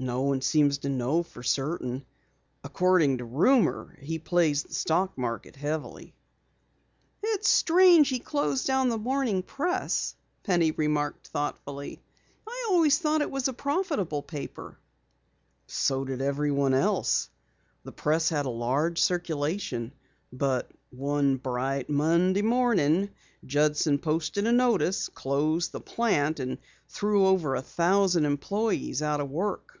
"No one seems to know for certain. According to rumor he plays the stock market heavily." "It's strange he closed down the Morning Press," Penny remarked thoughtfully. "I always thought it was a profitable paper." "So did everyone else. The Press had a large circulation. But one bright Monday morning Judson posted a notice, closed the plant, and threw over a thousand employes out of work."